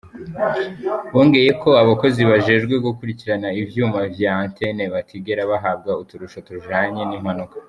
Bongeye ko, abakozi bajejwe gukurikirana ivyuma vya 'antene', batigera bahabwa uturusho tujanye n'impanuka.